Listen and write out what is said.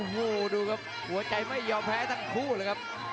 หัวใจไหม้หยอบแพ้ด้านกขู้ละครับ